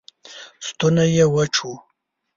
ستونی یې وچ و